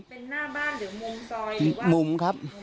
เป็นหน้าบ้านหรือมุมซอยหรือว่า